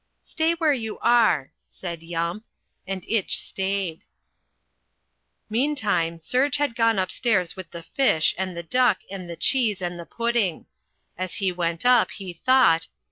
"Stay where you are," said Yump. And Itch stayed. Meantime Serge had gone upstairs with the fish and the duck and the cheese and the pudding. As he went up he thought.